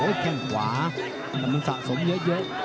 โอ้ยแข่งขวามันสะสมเยอะ